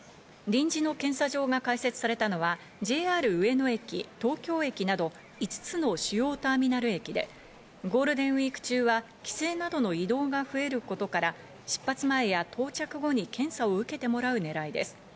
臨時の検査場が開設されたのはＪＲ上野駅、東京駅など５つの主要ターミナル駅でゴールデンウィーク中は帰省などの移動が増えることから、出発前や到着後に検査を受けてもらう狙いです。